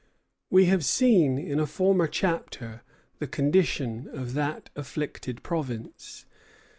We have seen in a former chapter the condition of that afflicted province.